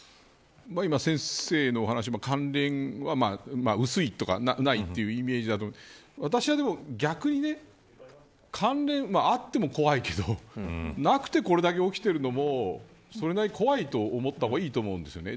今、先生のお話だと関連は薄いとかないというイメージですけど私はでも逆に関連はあっても怖いけどなくてこれだけ起きているのもそれなりに怖いと思った方がいいと思うんですよね。